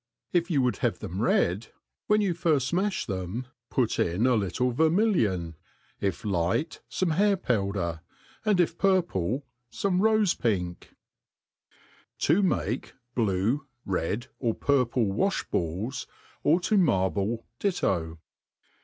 If you would have them red, when you firft mafli them, put in a little vermilion ; if light, fome hair powder j and if purple^ fome rofe pink, To^maie Blue^ Red^ or Purple WaJh'^Balls^ or to marble Ditto.